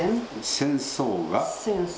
戦争が。